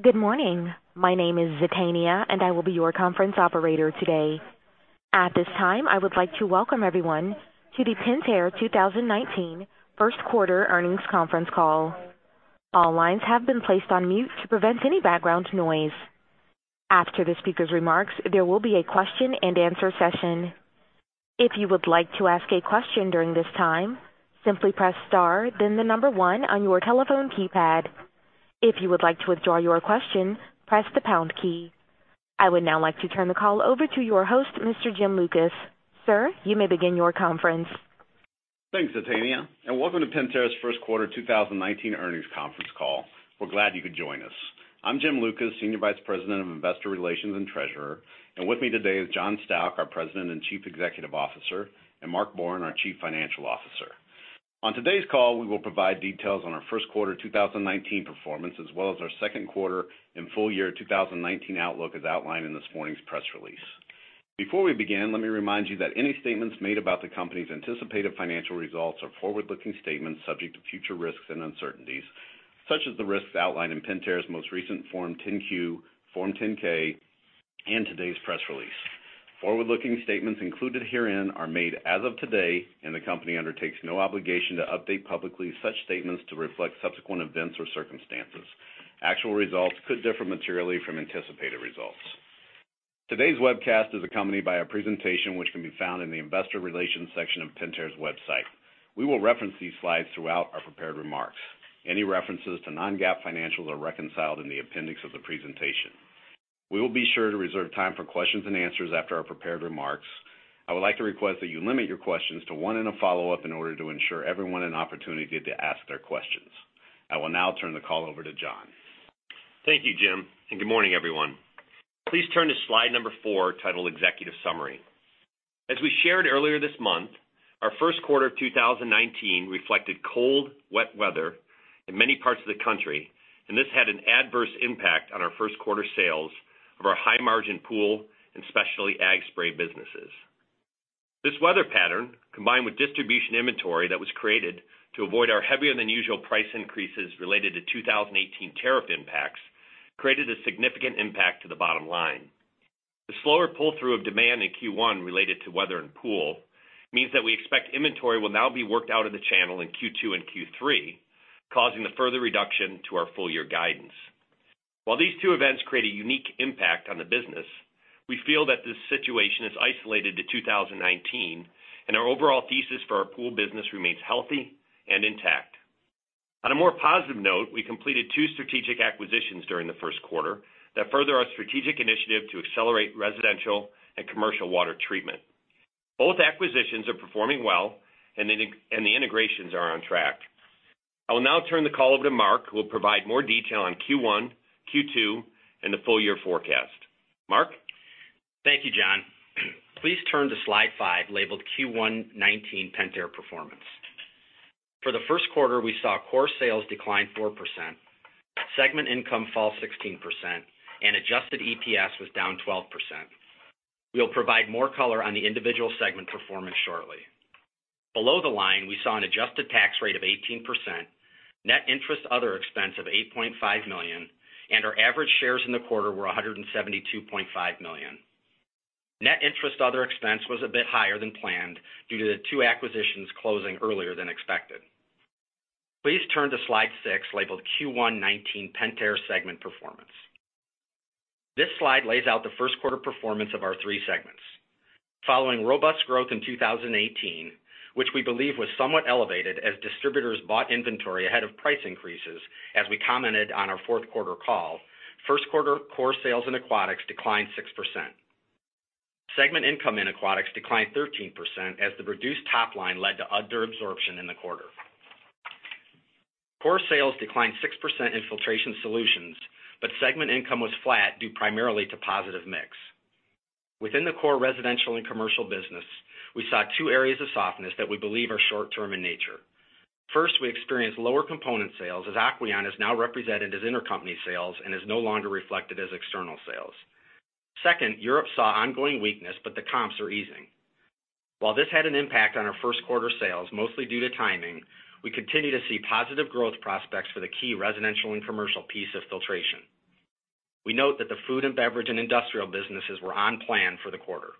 Good morning. My name is Zetania, and I will be your conference operator today. At this time, I would like to welcome everyone to the Pentair 2019 first quarter earnings conference call. All lines have been placed on mute to prevent any background noise. After the speaker's remarks, there will be a question and answer session. If you would like to ask a question during this time, simply press star then the number one on your telephone keypad. If you would like to withdraw your question, press the pound key. I would now like to turn the call over to your host, Mr. Jim Lucas. Sir, you may begin your conference. Thanks, Zetania, and welcome to Pentair's first quarter 2019 earnings conference call. We're glad you could join us. I'm Jim Lucas, Senior Vice President of Investor Relations and Treasurer. With me today is John Stauch, our President and Chief Executive Officer, and Mark Borin, our Chief Financial Officer. On today's call, we will provide details on our first quarter 2019 performance, as well as our second quarter and full year 2019 outlook as outlined in this morning's press release. Before we begin, let me remind you that any statements made about the company's anticipated financial results are forward-looking statements subject to future risks and uncertainties, such as the risks outlined in Pentair's most recent Form 10-Q, Form 10-K, and today's press release. Forward-looking statements included herein are made as of today, the company undertakes no obligation to update publicly such statements to reflect subsequent events or circumstances. Actual results could differ materially from anticipated results. Today's webcast is accompanied by a presentation which can be found in the investor relations section of Pentair's website. We will reference these slides throughout our prepared remarks. Any references to non-GAAP financials are reconciled in the appendix of the presentation. We will be sure to reserve time for questions and answers after our prepared remarks. I would like to request that you limit your questions to one and a follow-up in order to ensure everyone an opportunity to ask their questions. I will now turn the call over to John. Thank you, Jim. Good morning, everyone. Please turn to slide number four titled "Executive Summary." As we shared earlier this month, our first quarter of 2019 reflected cold, wet weather in many parts of the country, and this had an adverse impact on our first quarter sales of our high-margin pool and specialty ag spray businesses. This weather pattern, combined with distribution inventory that was created to avoid our heavier-than-usual price increases related to 2018 tariff impacts, created a significant impact to the bottom line. The slower pull-through of demand in Q1 related to weather and pool means that we expect inventory will now be worked out of the channel in Q2 and Q3, causing a further reduction to our full-year guidance. While these two events create a unique impact on the business, we feel that this situation is isolated to 2019, and our overall thesis for our pool business remains healthy and intact. On a more positive note, we completed two strategic acquisitions during the first quarter that further our strategic initiative to accelerate residential and commercial water treatment. Both acquisitions are performing well, and the integrations are on track. I will now turn the call over to Mark, who will provide more detail on Q1, Q2, and the full-year forecast. Mark? Thank you, John. Please turn to slide five, labeled Q1 2019 Pentair Performance. For the first quarter, we saw core sales decline 4%, segment income fall 16%, and adjusted EPS was down 12%. We'll provide more color on the individual segment performance shortly. Below the line, we saw an adjusted tax rate of 18%, net interest other expense of $8.5 million, and our average shares in the quarter were 172.5 million. Net interest other expense was a bit higher than planned due to the two acquisitions closing earlier than expected. Please turn to slide six, labeled Q1 2019 Pentair Segment Performance. This slide lays out the first quarter performance of our three segments. Following robust growth in 2018, which we believe was somewhat elevated as distributors bought inventory ahead of price increases as we commented on our fourth quarter call, first quarter core sales in Aquatics declined 6%. Segment income in Aquatics declined 13% as the reduced top line led to under absorption in the quarter. Core sales declined 6% in Filtration Solutions, segment income was flat due primarily to positive mix. Within the core residential and commercial business, we saw two areas of softness that we believe are short-term in nature. First, we experienced lower component sales as Aquion is now represented as intercompany sales and is no longer reflected as external sales. Second, Europe saw ongoing weakness, the comps are easing. While this had an impact on our first quarter sales, mostly due to timing, we continue to see positive growth prospects for the key residential and commercial piece of filtration. We note that the food and beverage and industrial businesses were on plan for the quarter.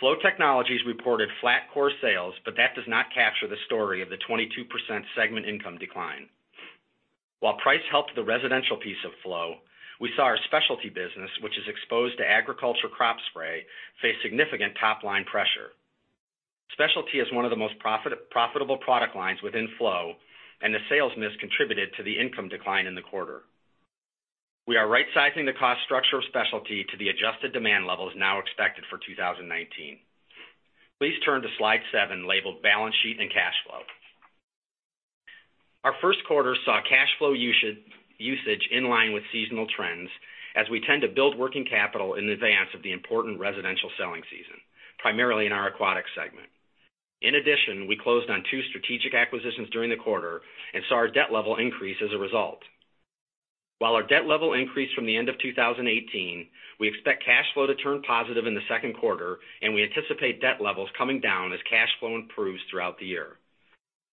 Flow Technologies reported flat core sales, that does not capture the story of the 22% segment income decline. While price helped the residential piece of Flow, we saw our specialty business, which is exposed to agriculture crop spray, face significant top-line pressure. Specialty is one of the most profitable product lines within Flow, the sales miss contributed to the income decline in the quarter. We are right-sizing the cost structure of specialty to the adjusted demand levels now expected for 2019. Please turn to slide seven, labeled Balance Sheet and Cash Flow. Our first quarter saw cash flow usage in line with seasonal trends as we tend to build working capital in advance of the important residential selling season, primarily in our Aquatics segment. In addition, we closed on two strategic acquisitions during the quarter saw our debt level increase as a result. While our debt level increased from the end of 2018, we expect cash flow to turn positive in the second quarter, and we anticipate debt levels coming down as cash flow improves throughout the year.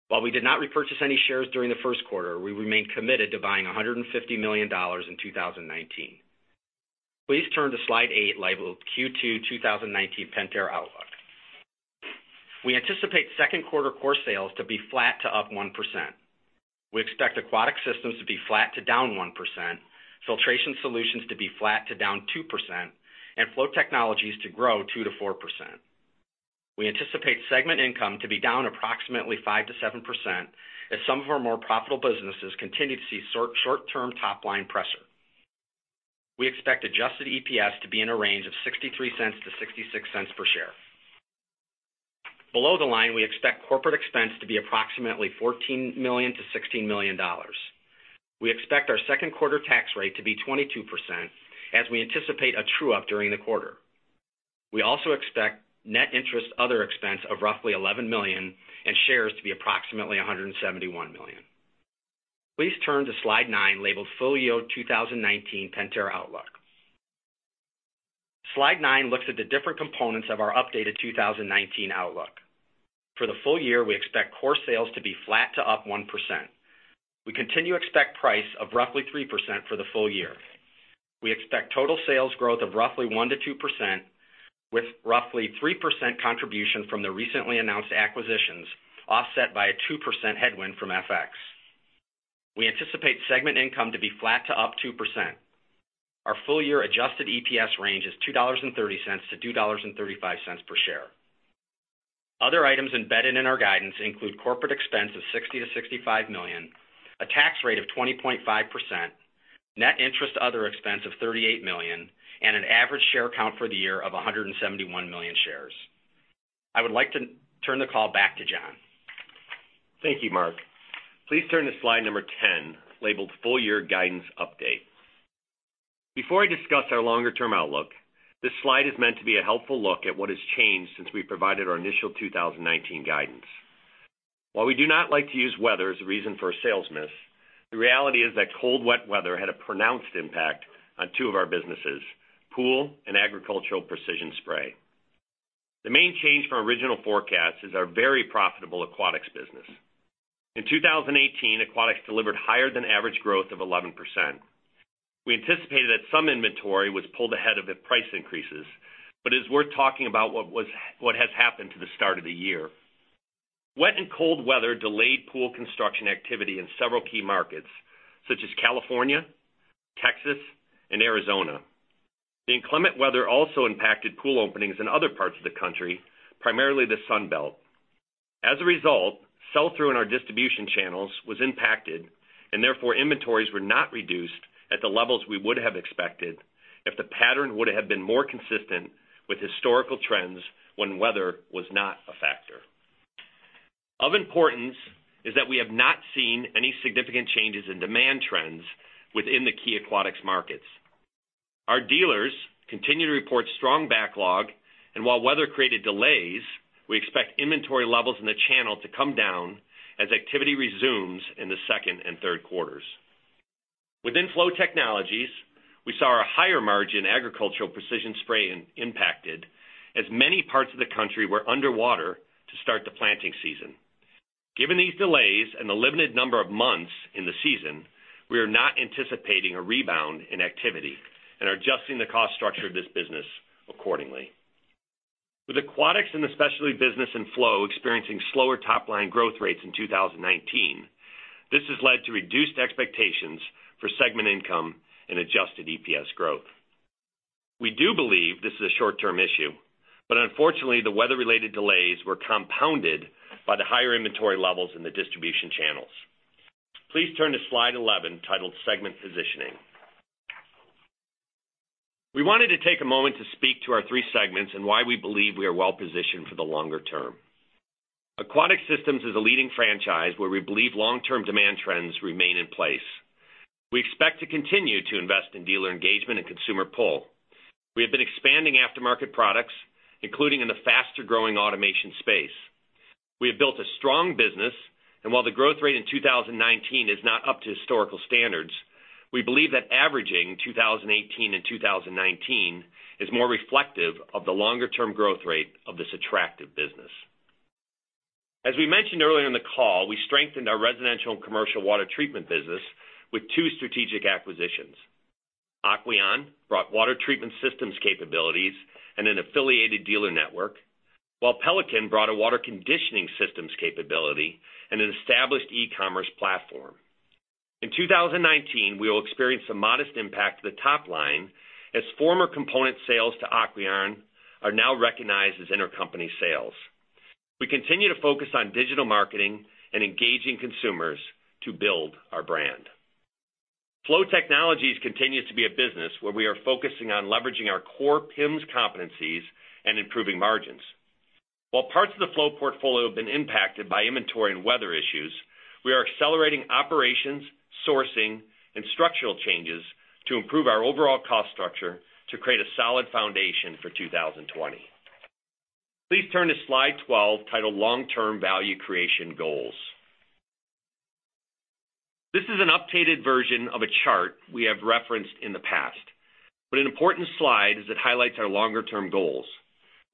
While we did not repurchase any shares during the first quarter, we remain committed to buying $150 million in 2019. Please turn to slide eight, labeled Q2 2019 Pentair Outlook. We anticipate second quarter core sales to be flat to up 1%. We expect Aquatic Systems to be flat to down 1%, Filtration Solutions to be flat to down 2%, and Flow Technologies to grow 2%-4%. We anticipate segment income to be down approximately 5%-7% as some of our more profitable businesses continue to see short-term top-line pressure. We expect adjusted EPS to be in a range of $0.63-$0.66 per share. Below the line, we expect corporate expense to be approximately $14 million-$16 million. We expect our second quarter tax rate to be 22% as we anticipate a true-up during the quarter. We also expect net interest other expense of roughly $11 million and shares to be approximately 171 million. Please turn to slide nine, labeled Full-Year 2019 Pentair Outlook. Slide nine looks at the different components of our updated 2019 outlook. For the full year, we expect core sales to be flat to up 1%. We continue to expect price of roughly 3% for the full year. We expect total sales growth of roughly 1%-2%, with roughly 3% contribution from the recently announced acquisitions, offset by a 2% headwind from FX. We anticipate segment income to be flat to up 2%. Our full-year adjusted EPS range is $2.30-$2.35 per share. Other items embedded in our guidance include corporate expense of $60 million-$65 million, a tax rate of 20.5%, net interest other expense of $38 million, and an average share count for the year of 171 million shares. I would like to turn the call back to John. Thank you, Mark. Please turn to slide number 10, labeled Full-Year Guidance Update. Before I discuss our longer-term outlook, this slide is meant to be a helpful look at what has changed since we provided our initial 2019 guidance. While we do not like to use weather as a reason for a sales miss, the reality is that cold, wet weather had a pronounced impact on two of our businesses, pool and agricultural precision spray. The main change from our original forecast is our very profitable Aquatic Systems business. In 2018, Aquatic Systems delivered higher than average growth of 11%. We anticipated that some inventory was pulled ahead of the price increases, but it's worth talking about what has happened to the start of the year. Wet and cold weather delayed pool construction activity in several key markets, such as California, Texas, and Arizona. The inclement weather also impacted pool openings in other parts of the country, primarily the Sun Belt. As a result, sell-through in our distribution channels was impacted, and therefore, inventories were not reduced at the levels we would have expected if the pattern would have been more consistent with historical trends when weather was not a factor. Of importance is that we have not seen any significant changes in demand trends within the key aquatics markets. Our dealers continue to report strong backlog, and while weather created delays, we expect inventory levels in the channel to come down as activity resumes in the second and third quarters. Within Flow Technologies, we saw our higher-margin agricultural precision spray impacted as many parts of the country were underwater to start the planting season. Given these delays and the limited number of months in the season, we are not anticipating a rebound in activity and are adjusting the cost structure of this business accordingly. With aquatics and the specialty business and Flow experiencing slower top-line growth rates in 2019, this has led to reduced expectations for segment income and adjusted EPS growth. We do believe this is a short-term issue, but unfortunately, the weather-related delays were compounded by the higher inventory levels in the distribution channels. Please turn to slide 11, titled Segment Positioning. We wanted to take a moment to speak to our three segments and why we believe we are well-positioned for the longer term. Aquatic Systems is a leading franchise where we believe long-term demand trends remain in place. We expect to continue to invest in dealer engagement and consumer pull. We have been expanding aftermarket products, including in the faster-growing automation space. We have built a strong business, and while the growth rate in 2019 is not up to historical standards, we believe that averaging 2018 and 2019 is more reflective of the longer-term growth rate of this attractive business. As we mentioned earlier in the call, we strengthened our residential and commercial water treatment business with two strategic acquisitions. Aquion brought water treatment systems capabilities and an affiliated dealer network, while Pelican brought a water conditioning systems capability and an established e-commerce platform. In 2019, we will experience a modest impact to the top line as former component sales to Aquion are now recognized as intercompany sales. We continue to focus on digital marketing and engaging consumers to build our brand. Flow Technologies continues to be a business where we are focusing on leveraging our core PIMS competencies and improving margins. While parts of the flow portfolio have been impacted by inventory and weather issues, we are accelerating operations, sourcing, and structural changes to improve our overall cost structure to create a solid foundation for 2020. Please turn to slide 12, titled Long-Term Value Creation Goals. This is an updated version of a chart we have referenced in the past, but an important slide as it highlights our longer-term goals.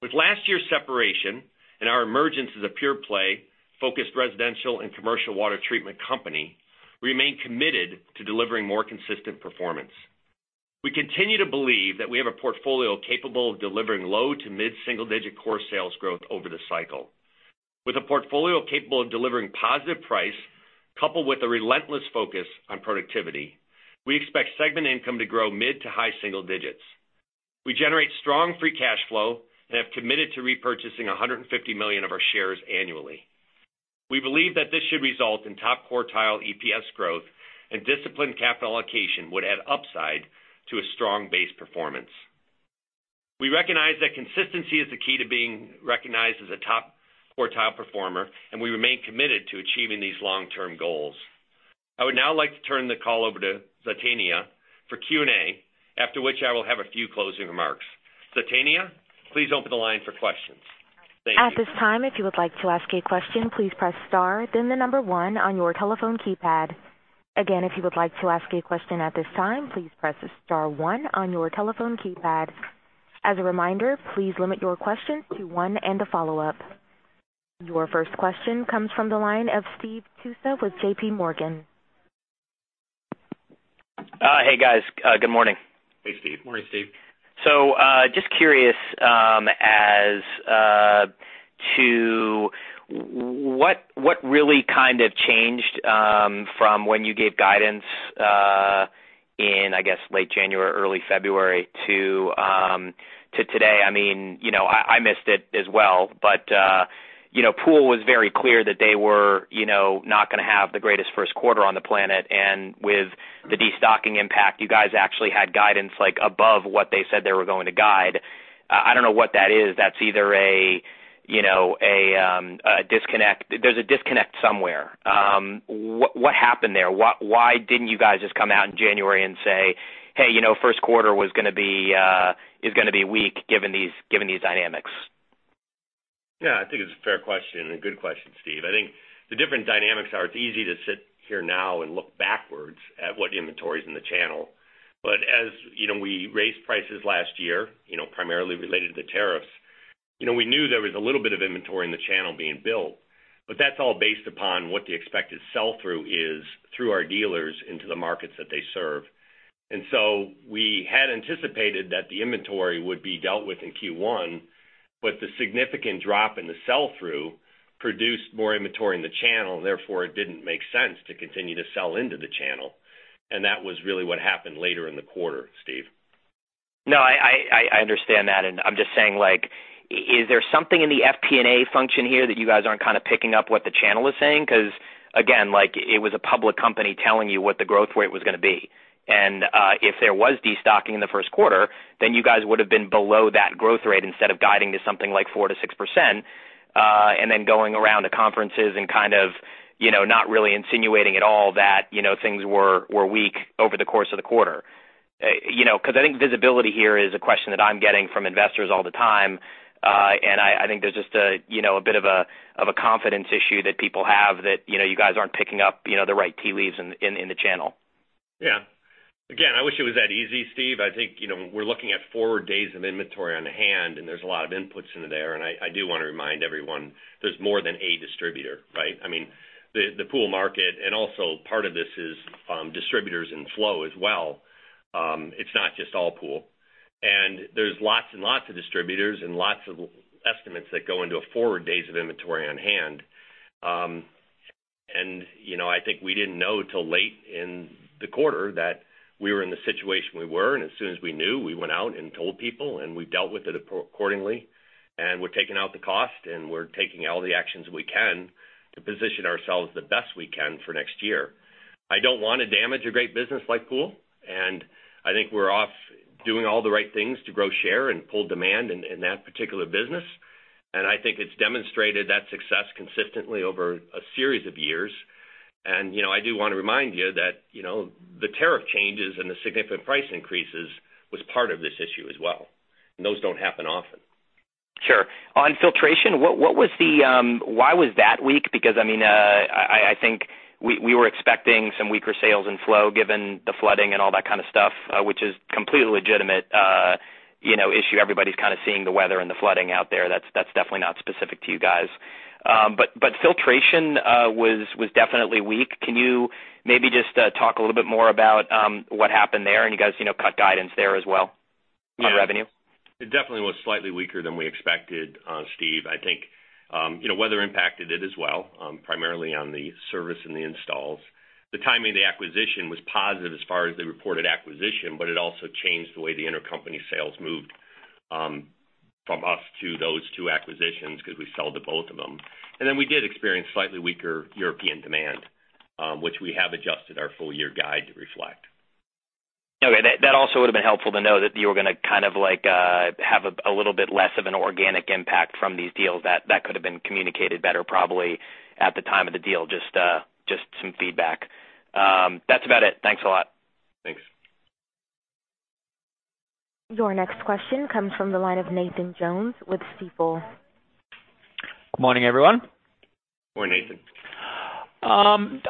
With last year's separation and our emergence as a pure play, focused residential and commercial water treatment company, we remain committed to delivering more consistent performance. We continue to believe that we have a portfolio capable of delivering low to mid single-digit core sales growth over the cycle. With a portfolio capable of delivering positive price, coupled with a relentless focus on productivity, we expect segment income to grow mid to high single digits. We generate strong free cash flow and have committed to repurchasing $150 million of our shares annually. We believe that this should result in top quartile EPS growth and disciplined capital allocation would add upside to a strong base performance. We recognize that consistency is the key to being recognized as a top quartile performer, and we remain committed to achieving these long-term goals. I would now like to turn the call over to Zatania for Q&A, after which I will have a few closing remarks. Zatania, please open the line for questions. Thank you. At this time, if you would like to ask a question, please press star then the number one on your telephone keypad. Again, if you would like to ask a question at this time, please press star one on your telephone keypad. As a reminder, please limit your questions to one and a follow-up. Your first question comes from the line of Steve Tusa with JPMorgan. Hey, guys. Good morning. Hey, Steve. Morning, Steve. Just curious as to what really kind of changed, from when you gave guidance in, I guess, late January, early February to today. I missed it as well, but Pool was very clear that they were not gonna have the greatest first quarter on the planet. With the destocking impact, you guys actually had guidance above what they said they were going to guide. I don't know what that is. There's a disconnect somewhere. What happened there? Why didn't you guys just come out in January and say, "Hey, first quarter is gonna be weak given these dynamics"? I think it's a fair question and a good question, Steve. I think the different dynamics are, it's easy to sit here now and look backwards at what inventory's in the channel. As we raised prices last year, primarily related to the tariffs, we knew there was a little bit of inventory in the channel being built. That's all based upon what the expected sell-through is through our dealers into the markets that they serve. We had anticipated that the inventory would be dealt with in Q1, but the significant drop in the sell-through produced more inventory in the channel, and therefore it didn't make sense to continue to sell into the channel. That was really what happened later in the quarter, Steve. I understand that, I'm just saying, is there something in the FP&A function here that you guys aren't kind of picking up what the channel is saying? Again, it was a public company telling you what the growth rate was gonna be. If there was destocking in the first quarter, then you guys would have been below that growth rate instead of guiding to something like 4%-6%, and then going around to conferences and kind of not really insinuating at all that things were weak over the course of the quarter. I think visibility here is a question that I'm getting from investors all the time. I think there's just a bit of a confidence issue that people have that you guys aren't picking up the right tea leaves in the channel. Again, I wish it was that easy, Steve. I think we're looking at four days of inventory on hand, there's a lot of inputs into there, I do want to remind everyone there's more than a distributor, right? The pool market, and also part of this is distributors in Flow as well. It's not just all pool. There's lots and lots of distributors and lots of estimates that go into a four days of inventory on hand. I think we didn't know till late in the quarter that we were in the situation we were. As soon as we knew, we went out and told people, and we dealt with it accordingly. We're taking out the cost, and we're taking all the actions we can to position ourselves the best we can for next year. I don't want to damage a great business like Pool, I think we're off doing all the right things to grow, share, and pull demand in that particular business. I think it's demonstrated that success consistently over a series of years. I do want to remind you that the tariff changes and the significant price increases was part of this issue as well. Those don't happen often. Sure. On Filtration, why was that weak? I think we were expecting some weaker sales in Flow given the flooding and all that kind of stuff, which is completely legitimate issue. Everybody's kind of seeing the weather and the flooding out there. That's definitely not specific to you guys. Filtration was definitely weak. Can you maybe just talk a little bit more about what happened there? You guys cut guidance there as well on revenue. It definitely was slightly weaker than we expected, Steve. I think weather impacted it as well, primarily on the service and the installs. The timing of the acquisition was positive as far as the reported acquisition, but it also changed the way the intercompany sales moved from us to those two acquisitions because we sell to both of them. We did experience slightly weaker European demand, which we have adjusted our full year guide to reflect. Okay. That also would've been helpful to know that you were gonna kind of have a little bit less of an organic impact from these deals. That could have been communicated better probably at the time of the deal. Just some feedback. That's about it. Thanks a lot. Thanks. Your next question comes from the line of Nathan Jones with Stifel. Good morning, everyone. Good morning, Nathan. I'm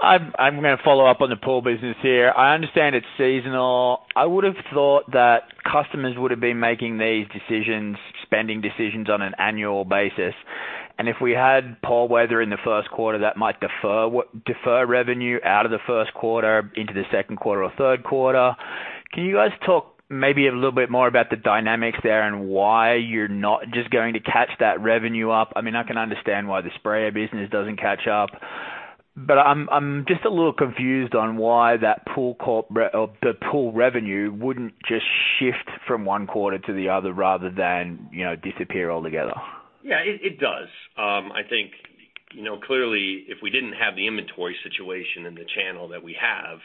going to follow up on the pool business here. I understand it's seasonal. I would've thought that customers would've been making these decisions, spending decisions on an annual basis, and if we had pool weather in the first quarter, that might defer revenue out of the first quarter into the second quarter or third quarter. Can you guys talk maybe a little bit more about the dynamics there and why you're not just going to catch that revenue up? I can understand why the sprayer business doesn't catch up. I'm just a little confused on why the pool revenue wouldn't just shift from one quarter to the other rather than disappear altogether. Yeah, it does. I think, clearly, if we didn't have the inventory situation in the channel that we have,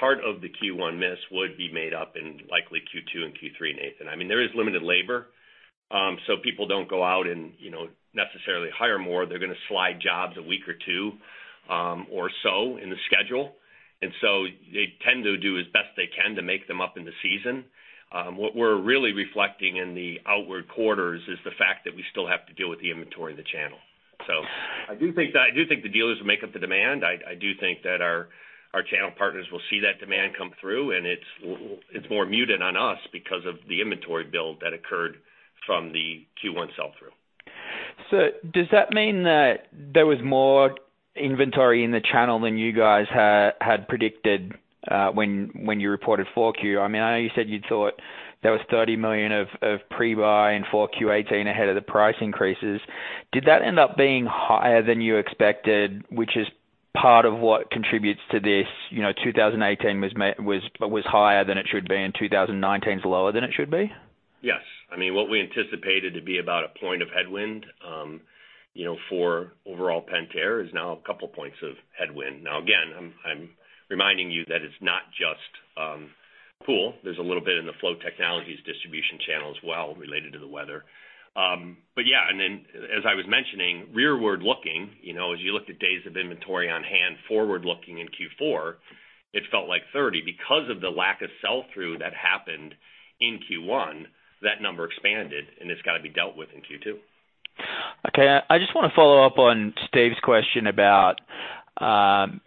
part of the Q1 miss would be made up in likely Q2 and Q3, Nathan. There is limited labor. People don't go out and necessarily hire more. They're going to slide jobs a week or two or so in the schedule. They tend to do as best they can to make them up in the season. What we're really reflecting in the outward quarters is the fact that we still have to deal with the inventory in the channel. I do think the dealers will make up the demand. I do think that our channel partners will see that demand come through, and it's more muted on us because of the inventory build that occurred from the Q1 sell-through. Does that mean that there was more inventory in the channel than you guys had predicted when you reported 4Q? I know you said you'd thought there was $30 million of pre-buy in 4Q 2018 ahead of the price increases. Did that end up being higher than you expected, which is part of what contributes to this, 2018 was higher than it should be, and 2019's lower than it should be? Yes. What we anticipated to be about a point of headwind for overall Pentair is now a couple points of headwind. Again, I'm reminding you that it's not just pool. There's a little bit in the Flow Technologies distribution channel as well related to the weather. Yeah. As I was mentioning, rearward looking, as you looked at days of inventory on hand, forward-looking in Q4, it felt like 30. Because of the lack of sell-through that happened in Q1, that number expanded, and it's got to be dealt with in Q2. Okay. I just want to follow up on Steve's question about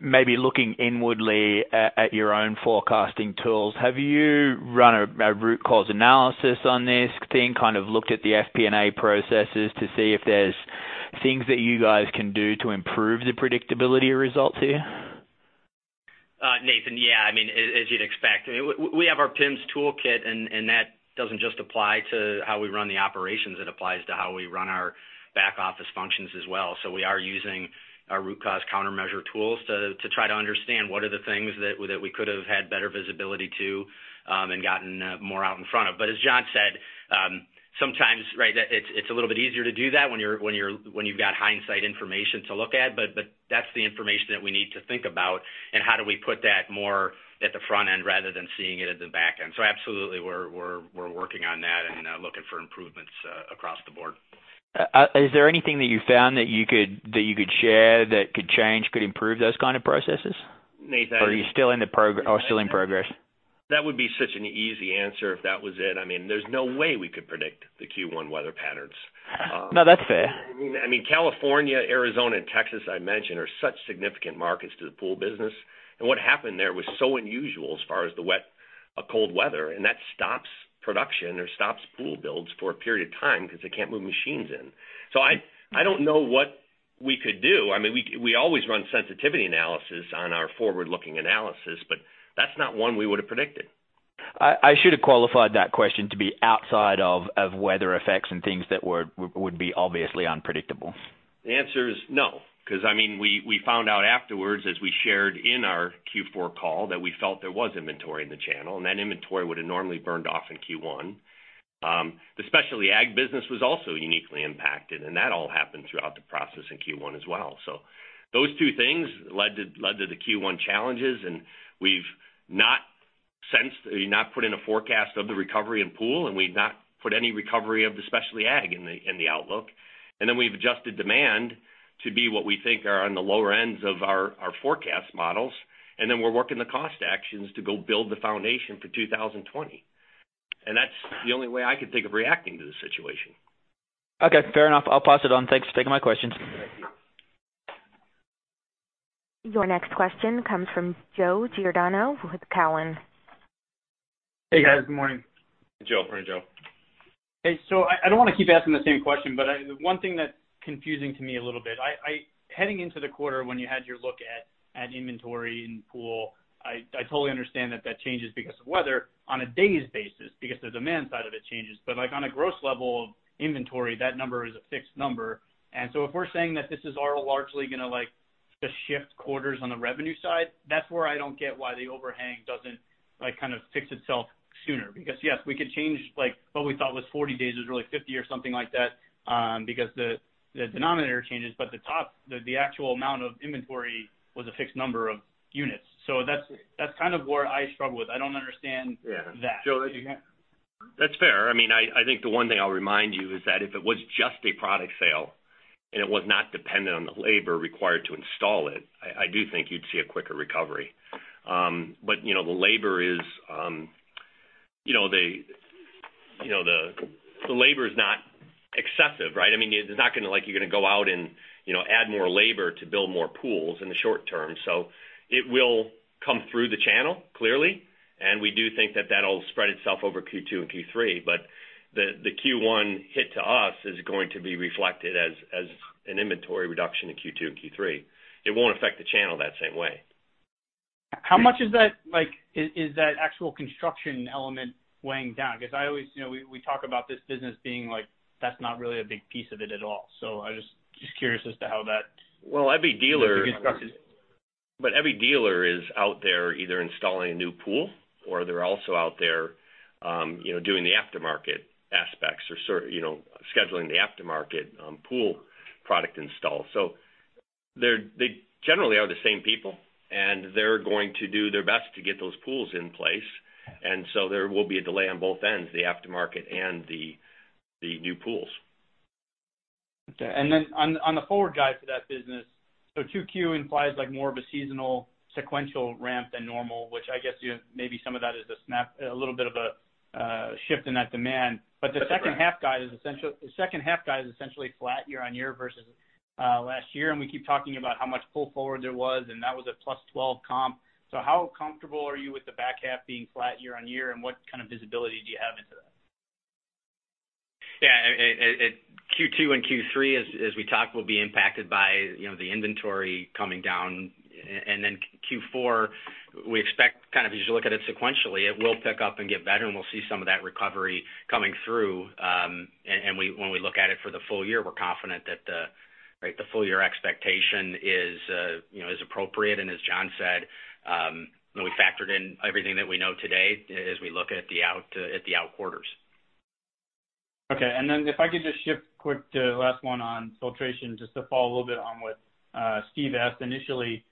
maybe looking inwardly at your own forecasting tools. Have you run a root cause analysis on this thing, kind of looked at the FP&A processes to see if there's things that you guys can do to improve the predictability of results here? Nathan, yeah. As you'd expect, we have our PIMS toolkit. That doesn't just apply to how we run the operations, it applies to how we run our back-office functions as well. We are using our root cause countermeasure tools to try to understand what are the things that we could have had better visibility to, and gotten more out in front of. As John said, sometimes it's a little bit easier to do that when you've got hindsight information to look at. That's the information that we need to think about, and how do we put that more at the front end rather than seeing it at the back end. Absolutely, we're working on that and looking for improvements across the board. Is there anything that you found that you could share that could change, could improve those kind of processes? Nathan- Are you still in progress? That would be such an easy answer if that was it. There's no way we could predict the Q1 weather patterns. No, that's fair. California, Arizona, and Texas, I mentioned, are such significant markets to the pool business. What happened there was so unusual as far as the wet, cold weather, and that stops production or stops pool builds for a period of time because they can't move machines in. I don't know what we could do. We always run sensitivity analysis on our forward-looking analysis, but that's not one we would've predicted. I should have qualified that question to be outside of weather effects and things that would be obviously unpredictable. The answer is no, because we found out afterwards, as we shared in our Q4 call, that we felt there was inventory in the channel, and that inventory would have normally burned off in Q1. The specialty ag business was also uniquely impacted, and that all happened throughout the process in Q1 as well. Those two things led to the Q1 challenges, and we've not put in a forecast of the recovery in pool, and we've not put any recovery of the specialty ag in the outlook. We've adjusted demand to be what we think are on the lower ends of our forecast models, and then we're working the cost actions to go build the foundation for 2020. That's the only way I could think of reacting to the situation. Okay, fair enough. I'll pass it on. Thanks for taking my questions. Your next question comes from Joe Giordano with Cowen. Hey, guys. Good morning. Hey, Joe. Morning, Joe. Hey, I don't want to keep asking the same question, one thing that's confusing to me a little bit. Heading into the quarter when you had your look at inventory and pool, I totally understand that that changes because of weather on a days basis, the demand side of it changes, on a gross level of inventory, that number is a fixed number. If we're saying that this is all largely going to just shift quarters on the revenue side, that's where I don't get why the overhang doesn't fix itself sooner. Yes, we could change what we thought was 40 days was really 50 or something like that, the denominator changes, the top, the actual amount of inventory was a fixed number of units. That's where I struggle with. I don't understand that. Joe, that's fair. I think the one thing I'll remind you is that if it was just a product sale, it was not dependent on the labor required to install it. I do think you'd see a quicker recovery. The labor is not excessive, right? It's not like you're going to go out and add more labor to build more pools in the short term. It will come through the channel, clearly, and we do think that that'll spread itself over Q2 and Q3. The Q1 hit to us is going to be reflected as an inventory reduction in Q2 and Q3. It won't affect the channel that same way. How much is that actual construction element weighing down? We talk about this business being like that's not really a big piece of it at all. I was just curious as to how that. Every dealer. -to be constructed. Every dealer is out there either installing a new pool or they're also out there doing the aftermarket aspects, or scheduling the aftermarket pool product install. They generally are the same people, and they're going to do their best to get those pools in place. There will be a delay on both ends, the aftermarket and the new pools. Okay. On the forward guide for that business, 2Q implies more of a seasonal sequential ramp than normal, which I guess maybe some of that is a snap, a little bit of a shift in that demand. The second half guide is essentially flat year-on-year versus last year, and we keep talking about how much pull forward there was, and that was a plus 12% comp. How comfortable are you with the back half being flat year-on-year, and what kind of visibility do you have into that? Yeah. Q2 and Q3, as we talked, will be impacted by the inventory coming down. Q4, we expect kind of as you look at it sequentially, it will pick up and get better, and we'll see some of that recovery coming through. When we look at it for the full year, we're confident that the full-year expectation is appropriate. As John said, we factored in everything that we know today as we look at the out quarters. Okay. If I could just shift quick to the last one on Filtration Solutions, just to follow a little bit on what Steve asked initially.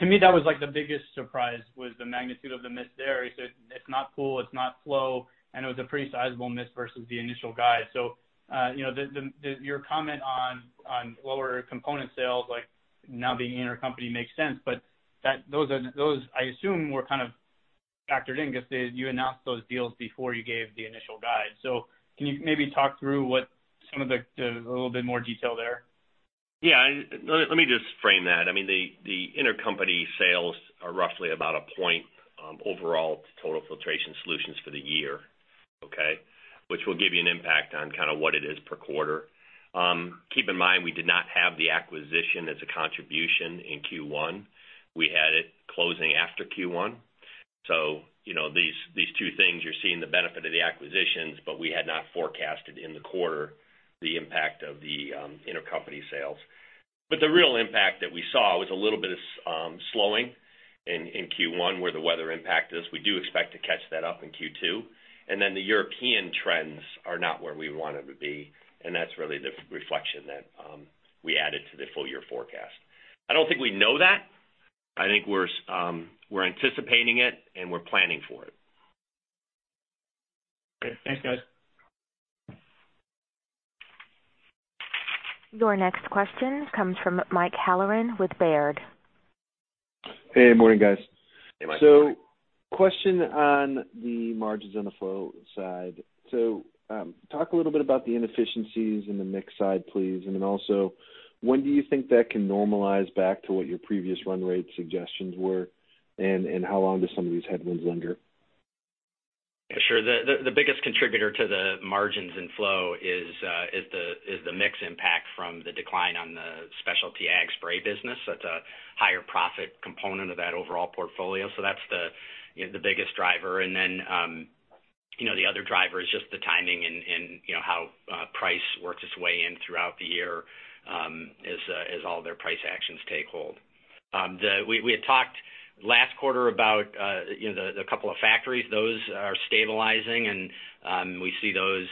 To me, that was the biggest surprise, was the magnitude of the miss there. You said it is not Pool, it is not Flow, it was a pretty sizable miss versus the initial guide. Can you maybe talk through a little bit more detail there? Yeah. Let me just frame that. The intercompany sales are roughly about a point overall to total Filtration Solutions for the year, okay? Which will give you an impact on kind of what it is per quarter. Keep in mind, we did not have the acquisition as a contribution in Q1. We had it closing after Q1. These two things, you are seeing the benefit of the acquisitions, but we had not forecasted in the quarter the impact of the intercompany sales. The real impact that we saw was a little bit of slowing in Q1 where the weather impacted us. We do expect to catch that up in Q2. The European trends are not where we want them to be, and that is really the reflection that we added to the full year forecast. I don't think we know that. I think we are anticipating it, we are planning for it. Okay. Thanks, guys. Your next question comes from Mike Halloran with Baird. Hey, morning, guys. Hey, Mike. Question on the margins on the flow side. Talk a little bit about the inefficiencies in the mix side, please. Then also, when do you think that can normalize back to what your previous run rate suggestions were, and how long do some of these headwinds linger? Sure. The biggest contributor to the margins in flow is the mix impact from the decline on the specialty ag spray business. That's a higher profit component of that overall portfolio. That's the biggest driver. The other driver is just the timing and how price works its way in throughout the year as all their price actions take hold. We had talked last quarter about the couple of factories. Those are stabilizing, and we see those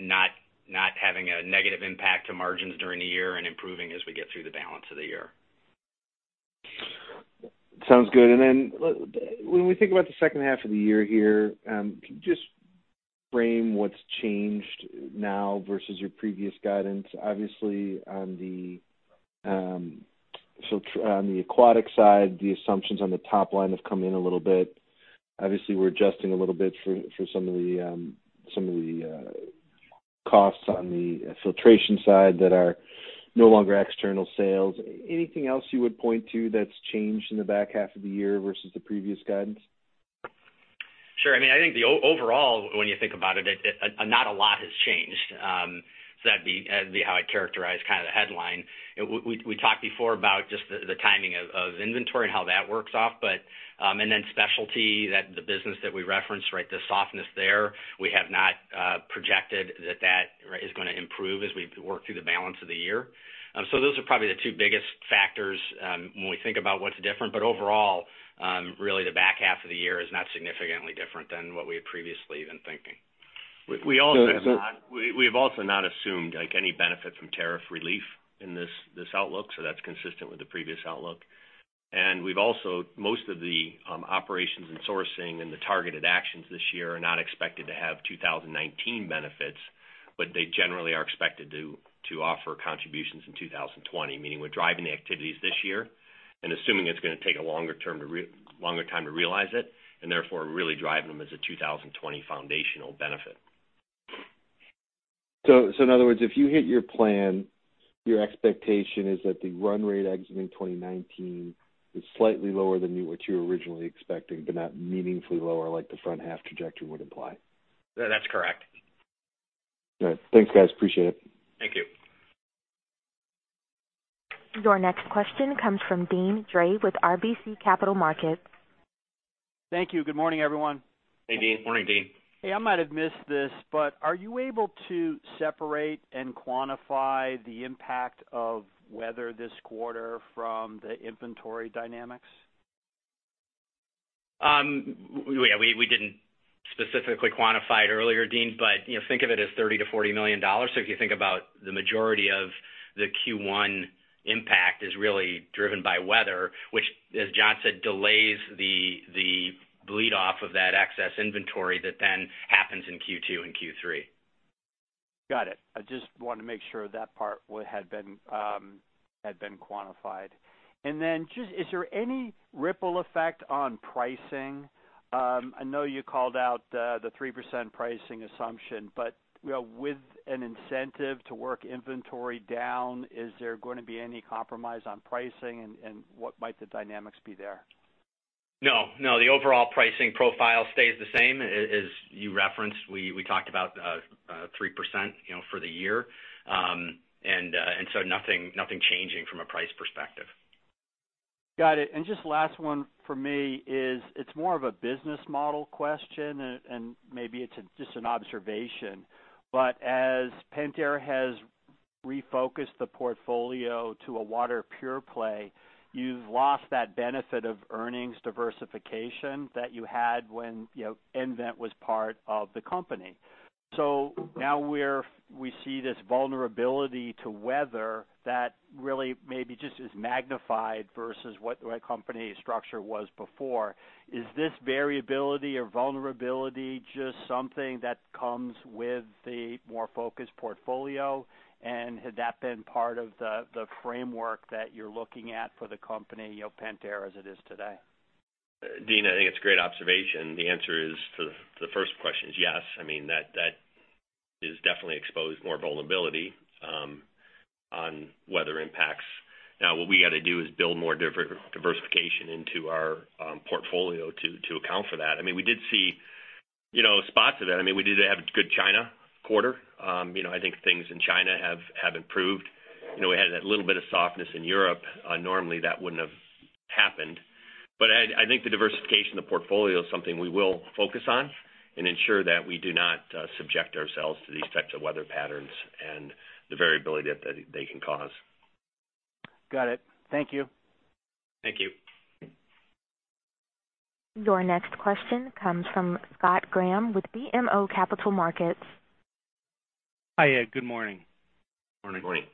not having a negative impact to margins during the year and improving as we get through the balance of the year. Sounds good. When we think about the second half of the year here, can you just frame what's changed now versus your previous guidance? Obviously, on the aquatic side, the assumptions on the top line have come in a little bit. Obviously, we're adjusting a little bit for some of the costs on the filtration side that are no longer external sales. Anything else you would point to that's changed in the back half of the year versus the previous guidance? Sure. I think overall, when you think about it, not a lot has changed. That'd be how I'd characterize kind of the headline. We talked before about just the timing of inventory and how that works off. Specialty, the business that we referenced, right? The softness there, we have not projected that that is going to improve as we work through the balance of the year. Those are probably the two biggest factors when we think about what's different. Overall, really the back half of the year is not significantly different than what we had previously been thinking. We've also not assumed any benefit from tariff relief in this outlook. That's consistent with the previous outlook. We've also, most of the operations and sourcing and the targeted actions this year are not expected to have 2019 benefits, but they generally are expected to offer contributions in 2020, meaning we're driving the activities this year and assuming it's going to take a longer time to realize it, and therefore really driving them as a 2020 foundational benefit. In other words, if you hit your plan, your expectation is that the run rate exiting 2019 is slightly lower than what you were originally expecting, but not meaningfully lower like the front half trajectory would imply. That's correct. All right. Thanks, guys. Appreciate it. Thank you. Your next question comes from Deane Dray with RBC Capital Markets. Thank you. Good morning, everyone. Hey, Deane. Morning, Deane. Hey, I might have missed this. Are you able to separate and quantify the impact of weather this quarter from the inventory dynamics? We didn't specifically quantify it earlier, Deane, but think of it as $30 million-$40 million. If you think about the majority of the Q1 impact is really driven by weather, which, as John said, delays the bleed off of that excess inventory that then happens in Q2 and Q3. Got it. I just wanted to make sure that part had been quantified. Then just, is there any ripple effect on pricing? I know you called out the 3% pricing assumption, but with an incentive to work inventory down, is there going to be any compromise on pricing, and what might the dynamics be there? No. The overall pricing profile stays the same. As you referenced, we talked about 3% for the year. Nothing changing from a price perspective. Got it. Just last one for me is, it's more of a business model question, maybe it's just an observation. As Pentair has refocused the portfolio to a water pure play, you've lost that benefit of earnings diversification that you had when nVent was part of the company. Now we see this vulnerability to weather that really may be just as magnified versus what the company structure was before. Is this variability or vulnerability just something that comes with the more focused portfolio? Had that been part of the framework that you're looking at for the company, Pentair as it is today? Deane, I think it's a great observation. The answer to the first question is yes. That has definitely exposed more vulnerability on weather impacts. What we got to do is build more diversification into our portfolio to account for that. We did see spots of that. We did have a good China quarter. I think things in China have improved. We had that little bit of softness in Europe. Normally, that wouldn't have happened. I think the diversification of the portfolio is something we will focus on and ensure that we do not subject ourselves to these types of weather patterns and the variability that they can cause. Got it. Thank you. Thank you. Your next question comes from Scott Graham with BMO Capital Markets. Hi. Good morning. Morning. Morning.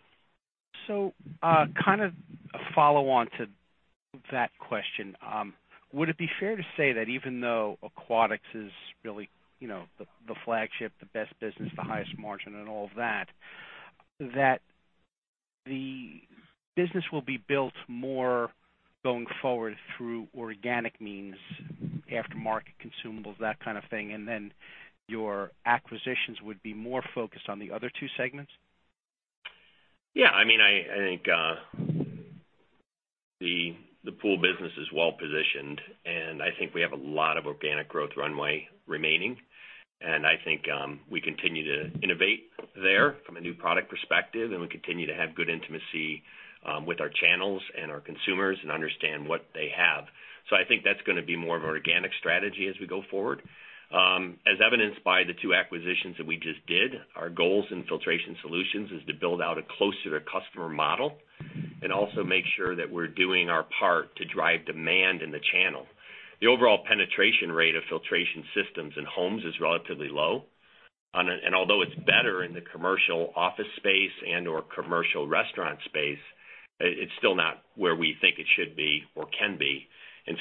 Kind of a follow-on to that question. Would it be fair to say that even though Aquatic Systems is really the flagship, the best business, the highest margin and all of that the business will be built more going forward through organic means, aftermarket consumables, that kind of thing, and then your acquisitions would be more focused on the other two segments? I think the pool business is well-positioned, and I think we have a lot of organic growth runway remaining, and I think we continue to innovate there from a new product perspective, and we continue to have good intimacy with our channels and our consumers and understand what they have. I think that's going to be more of an organic strategy as we go forward. As evidenced by the two acquisitions that we just did, our goals in Filtration Solutions is to build out a closer customer model and also make sure that we're doing our part to drive demand in the channel. The overall penetration rate of filtration systems in homes is relatively low. Although it's better in the commercial office space and/or commercial restaurant space, it's still not where we think it should be or can be.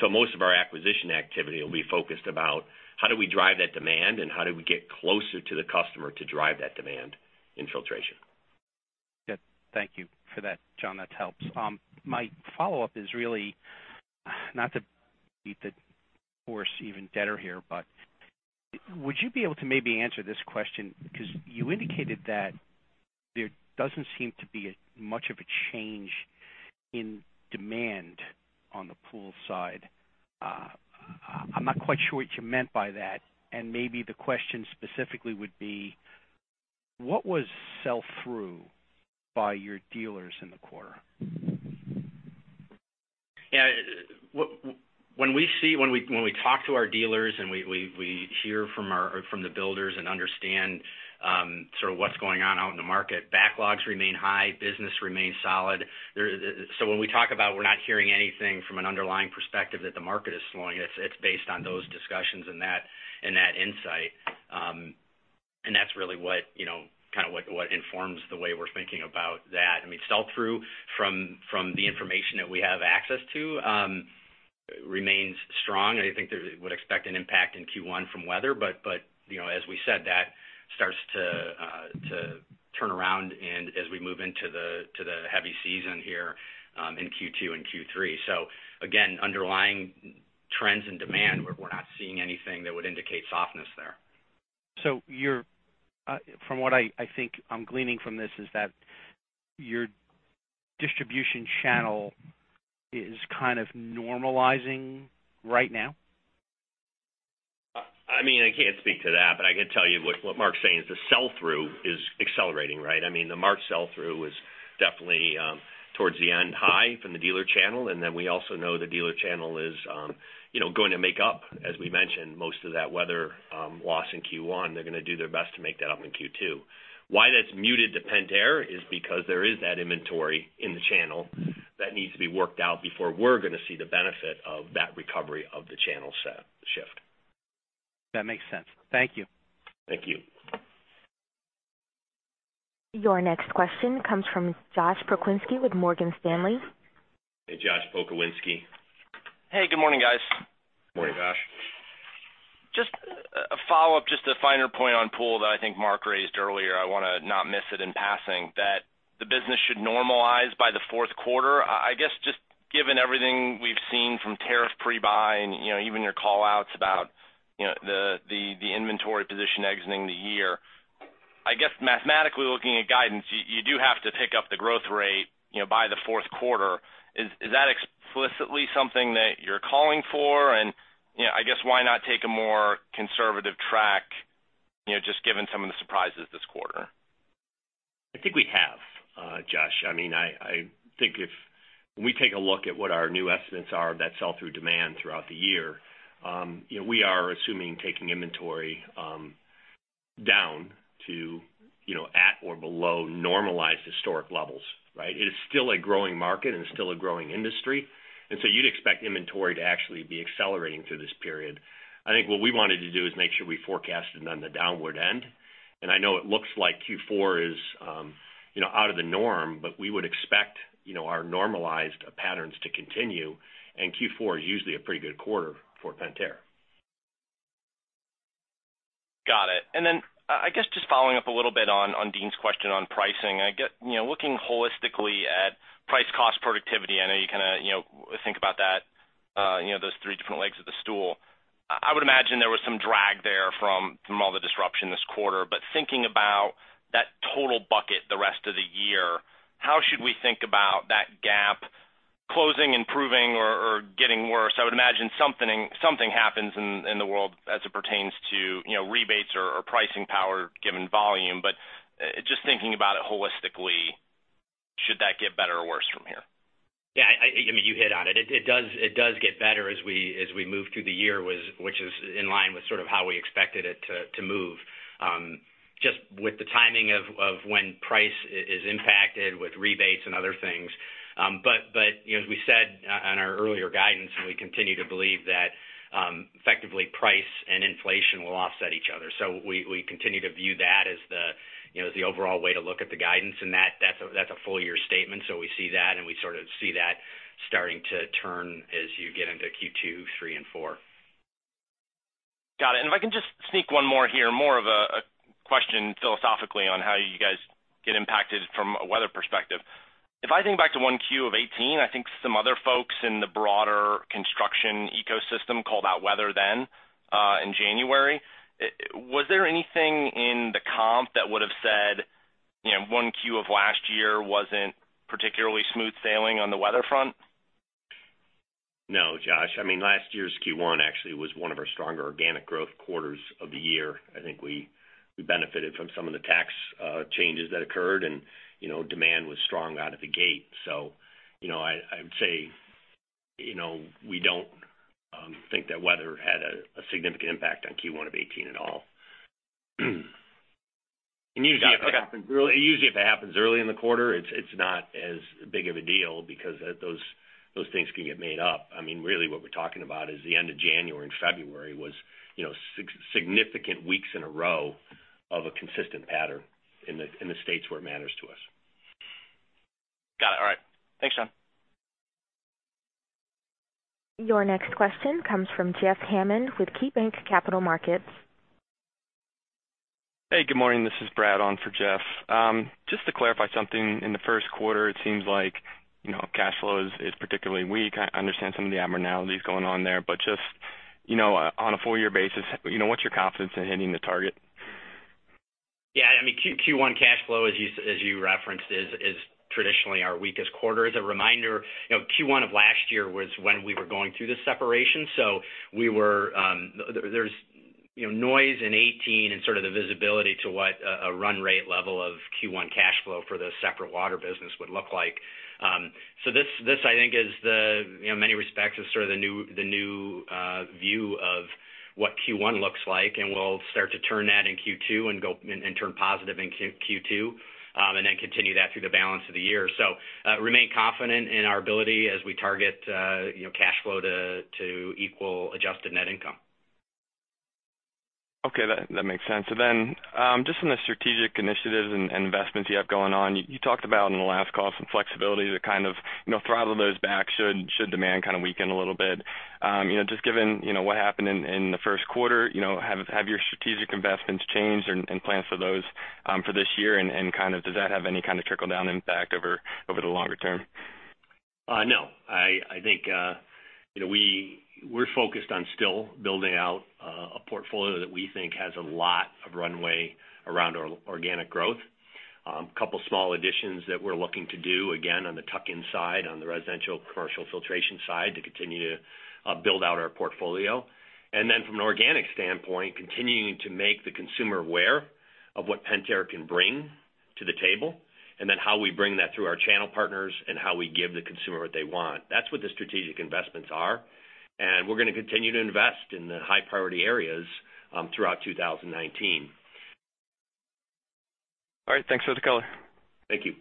Most of our acquisition activity will be focused about how do we drive that demand and how do we get closer to the customer to drive that demand in filtration. Good. Thank you for that, John. That helps. My follow-up is really not to beat the horse even deader here, would you be able to maybe answer this question? You indicated that there doesn't seem to be much of a change in demand on the pool side. I'm not quite sure what you meant by that, maybe the question specifically would be: What was sell-through by your dealers in the quarter? When we talk to our dealers, we hear from the builders and understand sort of what's going on out in the market, backlogs remain high, business remains solid. When we talk about we're not hearing anything from an underlying perspective that the market is slowing, it's based on those discussions and that insight. That's really what informs the way we're thinking about that. I mean, sell-through, from the information that we have access to, remains strong. I think they would expect an impact in Q1 from weather, as we said, that starts to turn around as we move into the heavy season here in Q2 and Q3. Again, underlying trends and demand, we're not seeing anything that would indicate softness there. From what I think I'm gleaning from this is that your distribution channel is kind of normalizing right now? I can't speak to that, I can tell you what Mark's saying is the sell-through is accelerating, right? I mean, the March sell-through was definitely towards the end high from the dealer channel, we also know the dealer channel is going to make up, as we mentioned, most of that weather loss in Q1. They're going to do their best to make that up in Q2. Why that's muted to Pentair is because there is that inventory in the channel that needs to be worked out before we're going to see the benefit of that recovery of the channel shift. That makes sense. Thank you. Thank you. Your next question comes from Josh Pokrzywinski with Morgan Stanley. Hey, Josh Pokrzywinski. Hey, good morning, guys. Morning, Josh. Just a follow-up, just a finer point on pool that I think Mark raised earlier. I want to not miss it in passing that the business should normalize by the fourth quarter. I guess just given everything we've seen from tariff pre-buy and even your call-outs about the inventory position exiting the year. I guess mathematically looking at guidance, you do have to pick up the growth rate by the fourth quarter. Is that explicitly something that you're calling for? I guess why not take a more conservative track, just given some of the surprises this quarter? I think we have, Josh. I think if we take a look at what our new estimates are of that sell-through demand throughout the year, we are assuming taking inventory down to at or below normalized historic levels. Right? It is still a growing market, and it's still a growing industry. So you'd expect inventory to actually be accelerating through this period. I think what we wanted to do is make sure we forecasted on the downward end, I know it looks like Q4 is out of the norm, but we would expect our normalized patterns to continue, and Q4 is usually a pretty good quarter for Pentair. Got it. I guess just following up a little bit on Deane's question on pricing. I get looking holistically at price cost productivity. I know you kind of think about those three different legs of the stool. I would imagine there was some drag there from all the disruption this quarter. Thinking about that total bucket the rest of the year, how should we think about that gap closing, improving, or getting worse? I would imagine something happens in the world as it pertains to rebates or pricing power given volume. Just thinking about it holistically, should that get better or worse from here? Yeah. You hit on it. It does get better as we move through the year, which is in line with sort of how we expected it to move. Just with the timing of when price is impacted with rebates and other things. As we said on our earlier guidance, and we continue to believe that effectively price and inflation will offset each other. We continue to view that as the overall way to look at the guidance, and that's a full year statement. We see that, and we sort of see that starting to turn as you get into Q2, three, and four. Got it. If I can just sneak one more here, more of a question philosophically on how you guys get impacted from a weather perspective. If I think back to 1Q of 2018, I think some other folks in the broader construction ecosystem called out weather then in January. Was there anything in the comp that would have said 1Q of last year wasn't particularly smooth sailing on the weather front? No, Josh. Last year's Q1 actually was one of our stronger organic growth quarters of the year. I think we benefited from some of the tax changes that occurred, and demand was strong out of the gate. I would say, we don't think that weather had a significant impact on Q1 of 2018 at all. Usually if it happens early in the quarter, it's not as big of a deal because those things can get made up. Really what we're talking about is the end of January and February was significant weeks in a row of a consistent pattern in the states where it matters to us. Got it. All right. Thanks, John. Your next question comes from Jeffrey Hammond with KeyBanc Capital Markets. Hey, good morning. This is Brad on for Jeff. Just to clarify something, in the first quarter, it seems like cash flow is particularly weak. I understand some of the abnormalities going on there, but just on a full year basis, what's your confidence in hitting the target? Yeah, Q1 cash flow, as you referenced, is traditionally our weakest quarter. As a reminder, Q1 of last year was when we were going through the separation. There's noise in 2018 and sort of the visibility to what a run rate level of Q1 cash flow for the separate water business would look like. This I think in many respects is sort of the new view of what Q1 looks like, and we'll start to turn that in Q2 and turn positive in Q2, and then continue that through the balance of the year. Remain confident in our ability as we target cash flow to equal adjusted net income. Okay, that makes sense. Just on the strategic initiatives and investments you have going on, you talked about on the last call some flexibility to kind of throttle those back should demand kind of weaken a little bit. Just given what happened in the first quarter, have your strategic investments changed and plans for those for this year, and does that have any kind of trickle-down impact over the longer term? No. I think we're focused on still building out a portfolio that we think has a lot of runway around our organic growth. A couple of small additions that we're looking to do, again, on the tuck-in side, on the residential commercial filtration side, to continue to build out our portfolio. From an organic standpoint, continuing to make the consumer aware of what Pentair can bring to the table, and then how we bring that through our channel partners and how we give the consumer what they want. That's what the strategic investments are, we're going to continue to invest in the high-priority areas throughout 2019. All right. Thanks for the color. Thank you.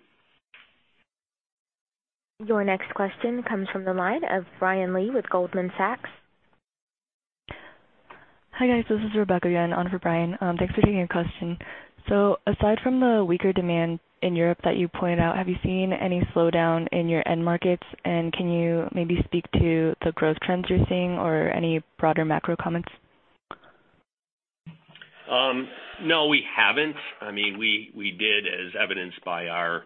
Your next question comes from the line of Brian Lee with Goldman Sachs. Hi, guys. This is Rebecca again, on for Brian. Thanks for taking our question. Aside from the weaker demand in Europe that you pointed out, have you seen any slowdown in your end markets? Can you maybe speak to the growth trends you're seeing or any broader macro comments? No, we haven't. We did, as evidenced by our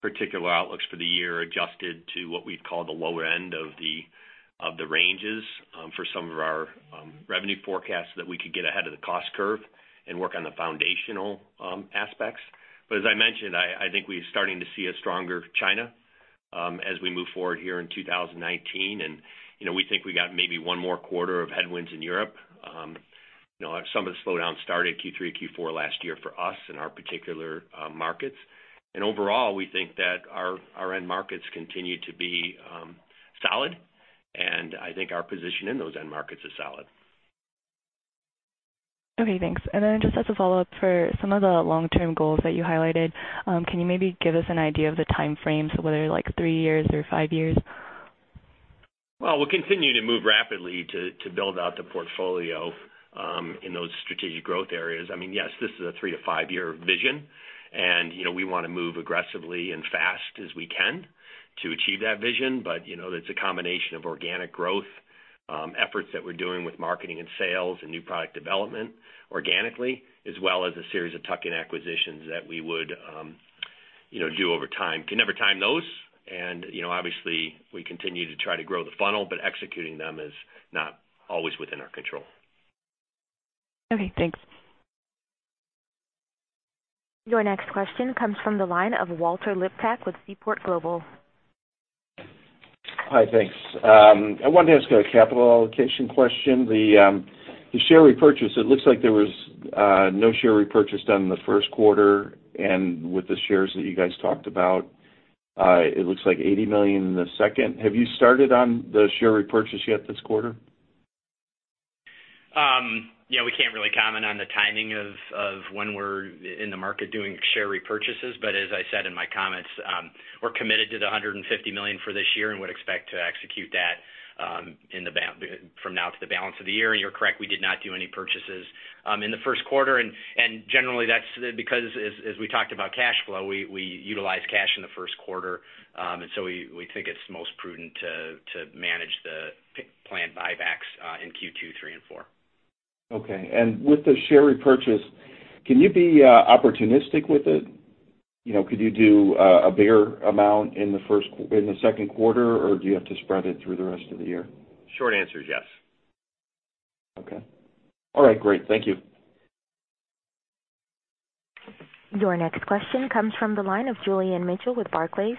particular outlooks for the year, adjusted to what we'd call the lower end of the ranges for some of our revenue forecasts that we could get ahead of the cost curve and work on the foundational aspects. As I mentioned, I think we're starting to see a stronger China as we move forward here in 2019. We think we got maybe one more quarter of headwinds in Europe. Some of the slowdown started Q3, Q4 last year for us in our particular markets. Overall, we think that our end markets continue to be solid, and I think our position in those end markets is solid. Okay, thanks. Just as a follow-up, for some of the long-term goals that you highlighted, can you maybe give us an idea of the time frames, whether like three years or five years? Well, we'll continue to move rapidly to build out the portfolio in those strategic growth areas. Yes, this is a three- to five-year vision. We want to move aggressively and fast as we can to achieve that vision. That's a combination of organic growth efforts that we're doing with marketing and sales and new product development organically, as well as a series of tuck-in acquisitions that we would do over time. Can never time those. Obviously, we continue to try to grow the funnel, but executing them is not always within our control. Okay, thanks. Your next question comes from the line of Walter Liptak with Seaport Global. Hi, thanks. I wanted to ask a capital allocation question. The share repurchase, it looks like there was no share repurchase done in the first quarter. With the shares that you guys talked about, it looks like $80 million in the second. Have you started on the share repurchase yet this quarter? We can't really comment on the timing of when we're in the market doing share repurchases. As I said in my comments, we're committed to the $150 million for this year and would expect to execute that from now to the balance of the year. You're correct, we did not do any purchases in the first quarter. Generally, that's because as we talked about cash flow, we utilized cash in the first quarter. We think it's most prudent to manage the planned buybacks in Q2, three, and four. Okay. With the share repurchase, can you be opportunistic with it? Could you do a bigger amount in the second quarter, or do you have to spread it through the rest of the year? Short answer is yes. Okay. All right, great. Thank you. Your next question comes from the line of Julian Mitchell with Barclays.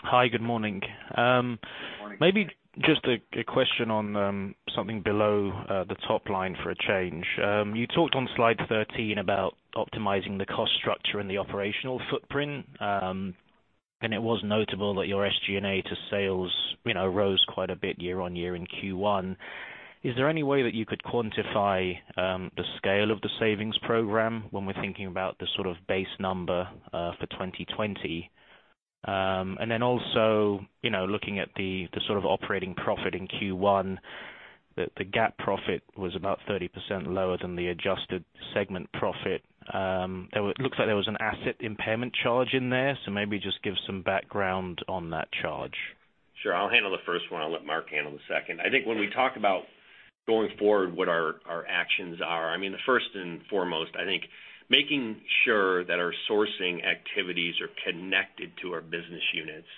Hi, good morning. Good morning. Maybe just a question on something below the top line for a change. You talked on slide 13 about optimizing the cost structure and the operational footprint. It was notable that your SG&A to sales rose quite a bit year-on-year in Q1. Is there any way that you could quantify the scale of the savings program when we're thinking about the sort of base number for 2020? Also, looking at the sort of operating profit in Q1, the GAAP profit was about 30% lower than the adjusted segment profit. It looks like there was an asset impairment charge in there, maybe just give some background on that charge. Sure. I'll handle the first one. I'll let Mark handle the second. I think when we talk about going forward what our actions are, first and foremost, I think making sure that our sourcing activities are connected to our business units,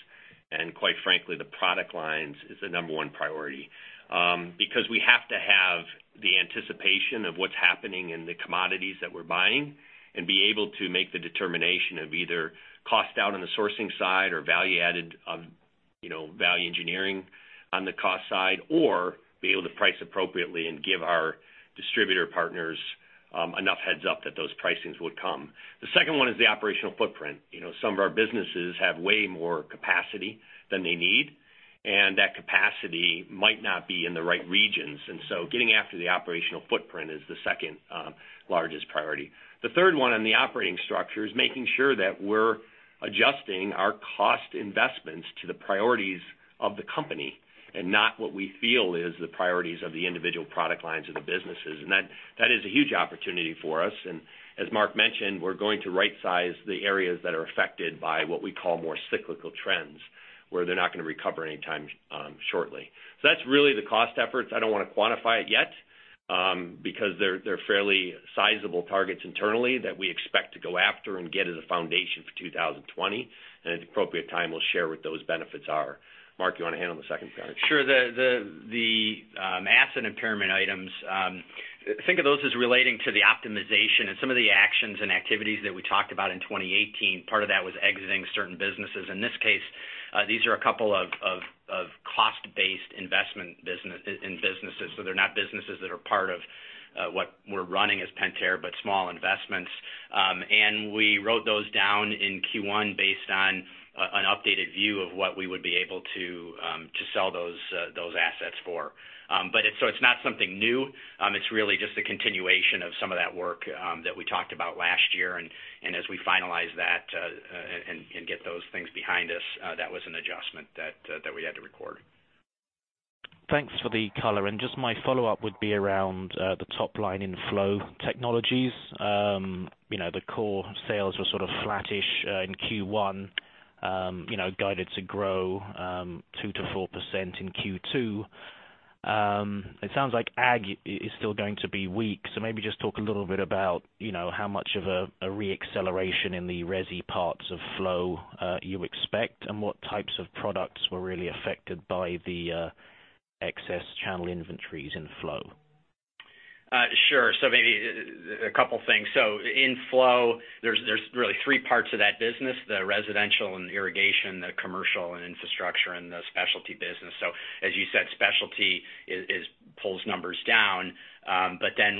and quite frankly, the product lines, is the number one priority. Because we have to have the anticipation of what's happening in the commodities that we're buying and be able to make the determination of either cost out on the sourcing side or value added on value engineering on the cost side, or be able to price appropriately and give our distributor partners enough heads up that those pricings would come. The second one is the operational footprint. Some of our businesses have way more capacity than they need. And that capacity might not be in the right regions. Getting after the operational footprint is the second largest priority. The third one on the operating structure is making sure that we're adjusting our cost investments to the priorities of the company, not what we feel is the priorities of the individual product lines of the businesses. That is a huge opportunity for us. As Mark mentioned, we're going to right-size the areas that are affected by what we call more cyclical trends, where they're not going to recover any time shortly. That's really the cost efforts. I don't want to quantify it yet, because they're fairly sizable targets internally that we expect to go after and get as a foundation for 2020. At the appropriate time, we'll share what those benefits are. Mark, you want to handle the second part? Sure. The asset impairment items, think of those as relating to the optimization and some of the actions and activities that we talked about in 2018. Part of that was exiting certain businesses. In this case, these are a couple of cost-based investment in businesses. They're not businesses that are part of what we're running as Pentair, but small investments. We wrote those down in Q1 based on an updated view of what we would be able to sell those assets for. It's not something new. It's really just a continuation of some of that work that we talked about last year. As we finalize that and get those things behind us, that was an adjustment that we had to record. Thanks for the color. Just my follow-up would be around the top line in Flow Technologies. The core sales were sort of flattish in Q1, guided to grow 2%-4% in Q2. It sounds like ag is still going to be weak. Maybe just talk a little bit about how much of a re-acceleration in the resi parts of Flow you expect, and what types of products were really affected by the excess channel inventories in Flow. Maybe a couple things. In Flow, there's really three parts of that business, the residential and irrigation, the commercial and infrastructure, and the specialty business. As you said, specialty pulls numbers down.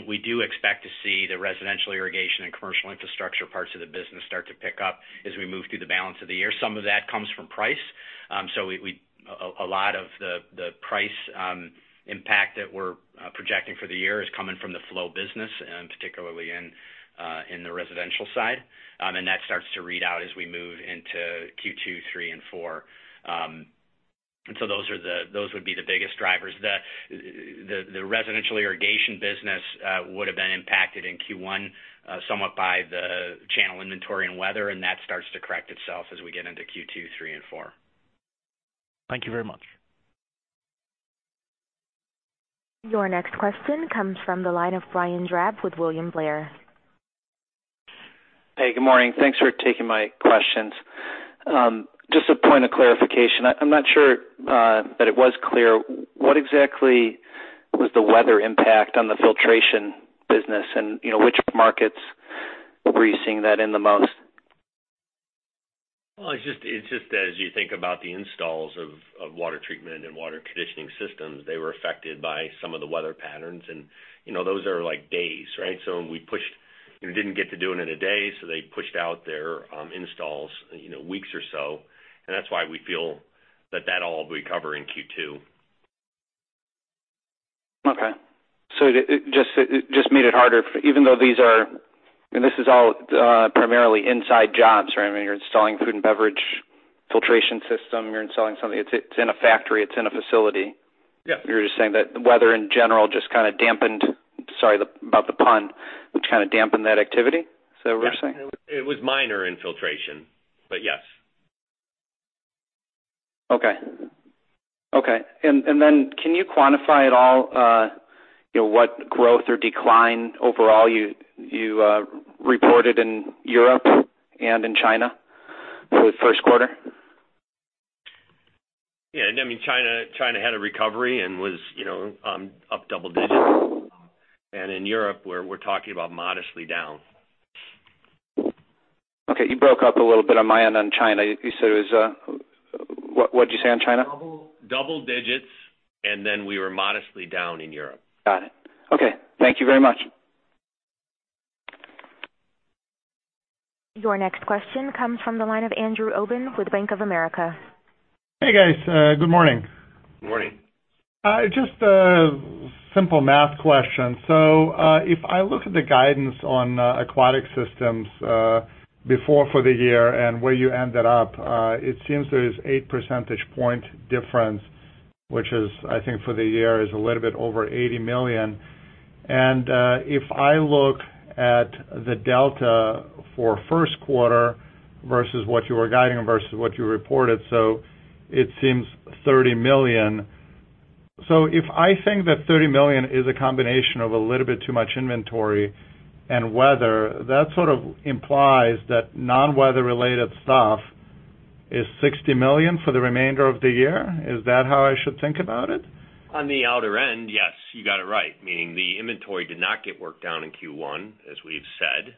We do expect to see the residential irrigation and commercial infrastructure parts of the business start to pick up as we move through the balance of the year. Some of that comes from price. A lot of the price impact that we're projecting for the year is coming from the Flow business, and particularly in the residential side. That starts to read out as we move into Q2, Q3, and Q4. Those would be the biggest drivers. The residential irrigation business would've been impacted in Q1 somewhat by the channel inventory and weather, and that starts to correct itself as we get into Q2, Q3, and Q4. Thank you very much. Your next question comes from the line of Brian Drab with William Blair. Hey, good morning. Thanks for taking my questions. Just a point of clarification. I'm not sure that it was clear. What exactly was the weather impact on the Filtration business and which markets were you seeing that in the most? It's just as you think about the installs of water treatment and water conditioning systems, they were affected by some of the weather patterns, and those are like days, right? They didn't get to doing it in a day, so they pushed out their installs weeks or so. That's why we feel that that all will recover in Q2. It just made it harder, even though these are I mean, this is all primarily inside jobs, right? I mean, you're installing food and beverage filtration system, you're installing something, it's in a factory, it's in a facility. Yeah. You're just saying that the weather in general just kind of dampened, sorry about the pun, but kind of dampened that activity, is that what you're saying? It was minor in filtration, yes. Okay. Then can you quantify at all what growth or decline overall you reported in Europe and in China for the first quarter? I mean, China had a recovery and was up double digits. In Europe, we're talking about modestly down. Okay. You broke up a little bit on my end on China. You said it was What'd you say on China? Double digits, then we were modestly down in Europe. Got it. Okay. Thank you very much. Your next question comes from the line of Andrew Obin with Bank of America. Hey, guys. Good morning. Morning. If I look at the guidance on Aquatic Systems before for the year and where you ended up, it seems there is eight percentage point difference, which is, I think for the year is a little bit over $80 million. If I look at the delta for first quarter versus what you were guiding versus what you reported, it seems $30 million. If I think that $30 million is a combination of a little bit too much inventory and weather, that sort of implies that non-weather-related stuff is $60 million for the remainder of the year. Is that how I should think about it? On the outer end, yes. You got it right. Meaning the inventory did not get worked down in Q1, as we've said,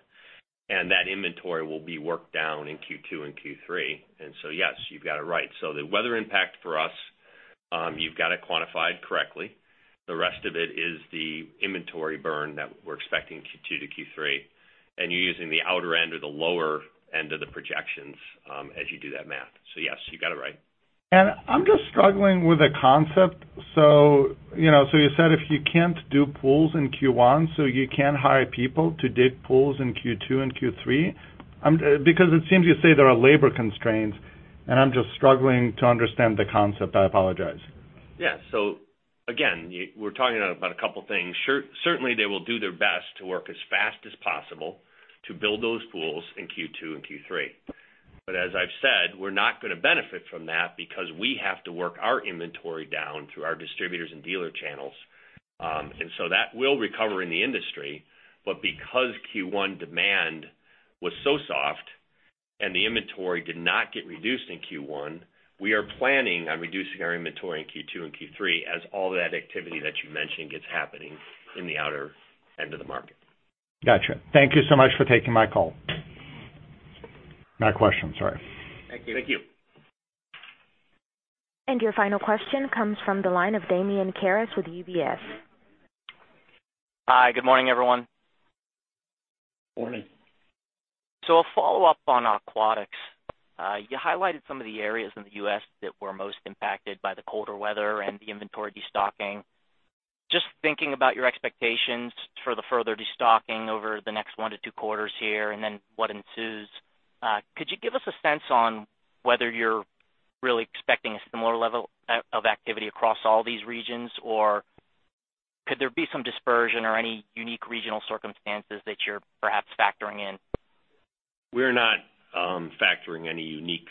and that inventory will be worked down in Q2 and Q3. Yes, you've got it right. The weather impact for us, you've got it quantified correctly. The rest of it is the inventory burn that we're expecting Q2 to Q3, and you're using the outer end or the lower end of the pre-As you do that math. Yes, you got it right. I'm just struggling with the concept. You said if you can't do pools in Q1, so you can't hire people to dig pools in Q2 and Q3? It seems you say there are labor constraints, and I'm just struggling to understand the concept. I apologize. Yeah. Again, we're talking about a couple things. Certainly, they will do their best to work as fast as possible to build those pools in Q2 and Q3. As I've said, we're not going to benefit from that because we have to work our inventory down through our distributors and dealer channels. That will recover in the industry, but because Q1 demand was so soft and the inventory did not get reduced in Q1, we are planning on reducing our inventory in Q2 and Q3 as all that activity that you mentioned gets happening in the outer end of the market. Got you. Thank you so much for taking my call. Not a question, sorry. Thank you. Your final question comes from the line of Damian Karas with UBS. Hi, good morning, everyone. Morning. A follow-up on Aquatic Systems. You highlighted some of the areas in the U.S. that were most impacted by the colder weather and the inventory destocking. Just thinking about your expectations for the further destocking over the next one to two quarters here, and then what ensues, could you give us a sense on whether you're really expecting a similar level of activity across all these regions? Or could there be some dispersion or any unique regional circumstances that you're perhaps factoring in? We're not factoring any unique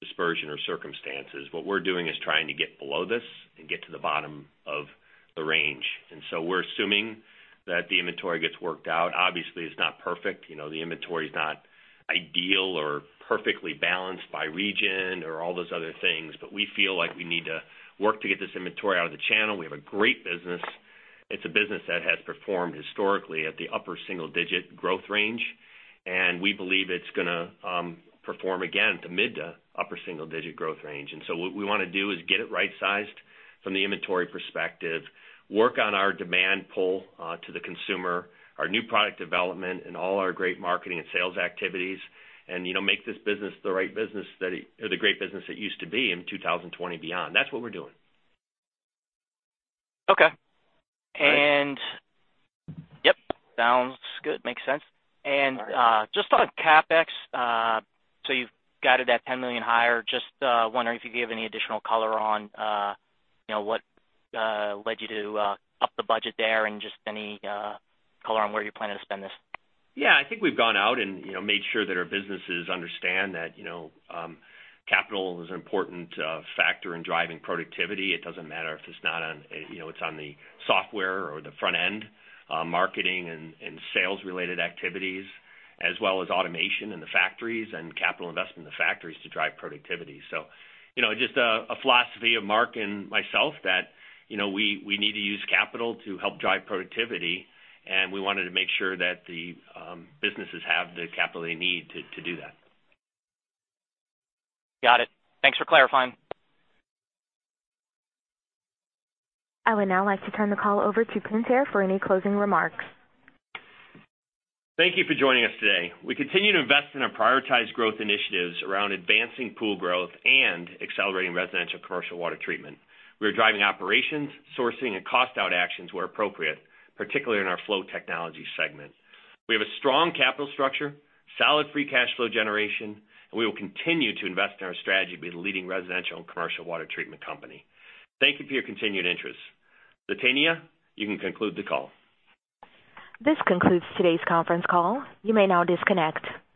dispersion or circumstances. What we're doing is trying to get below this and get to the bottom of the range. We're assuming that the inventory gets worked out. Obviously, it's not perfect. The inventory's not ideal or perfectly balanced by region or all those other things. We feel like we need to work to get this inventory out of the channel. We have a great business. It's a business that has performed historically at the upper single-digit growth range, and we believe it's going to perform again at the mid to upper single-digit growth range. What we want to do is get it right-sized from the inventory perspective, work on our demand pull to the consumer, our new product development, and all our great marketing and sales activities, and make this business the great business it used to be in 2020 beyond. That's what we're doing. Okay. All right? Yep. Sounds good. Makes sense. All right. On CapEx, you've guided that $10 million higher. I'm just wondering if you could give any additional color on what led you to up the budget there and just any color on where you're planning to spend this. Yeah. I think we've gone out and made sure that our businesses understand that capital is an important factor in driving productivity. It doesn't matter if it's on the software or the front end, marketing and sales-related activities, as well as automation in the factories and capital investment in the factories to drive productivity. Just a philosophy of Mark and myself that we need to use capital to help drive productivity, and we wanted to make sure that the businesses have the capital they need to do that. Got it. Thanks for clarifying. I would now like to turn the call over to Pentair for any closing remarks. Thank you for joining us today. We continue to invest in our prioritized growth initiatives around advancing pool growth and accelerating residential commercial water treatment. We are driving operations, sourcing, and cost-out actions where appropriate, particularly in our Flow Technologies segment. We have a strong capital structure, solid free cash flow generation, and we will continue to invest in our strategy to be the leading residential and commercial water treatment company. Thank you for your continued interest. Zetania, you can conclude the call. This concludes today's conference call. You may now disconnect.